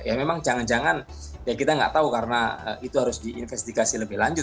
ya memang jangan jangan ya kita nggak tahu karena itu harus diinvestigasi lebih lanjut